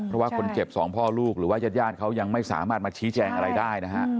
เพราะว่าคนเจ็บสองพ่อลูกหรือว่าญาติญาติเขายังไม่สามารถมาชี้แจงอะไรได้นะฮะ